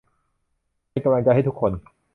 เป็นกำลังใจให้ทุกคน